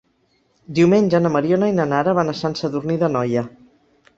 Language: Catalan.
Diumenge na Mariona i na Nara van a Sant Sadurní d'Anoia.